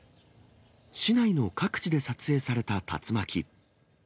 市内の各地で撮影された竜巻。